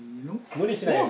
無理しないで。